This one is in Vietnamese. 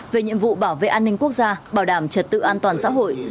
về nhiệm vụ bảo vệ an ninh quốc gia bảo đảm trật tự an toàn xã hội